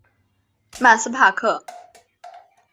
曼斯帕克。